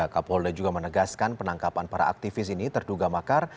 kapolda juga menegaskan penangkapan para aktivis ini terduga makar